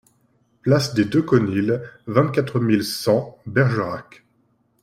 Place des Deux Conils, vingt-quatre mille cent Bergerac